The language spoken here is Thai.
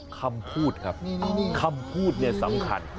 คำพูดครับคำพูดเนี่ยสำคัญ